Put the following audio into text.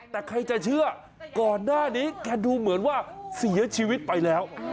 แต่ใครจะเชื่อก่อนหน้านี้แกดูเหมือนว่าเสียชีวิตไปแล้ว